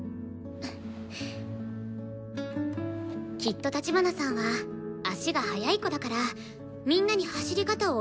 きっと立花さんは足が速い子だからみんなに走り方を教えることもできると思うんだ！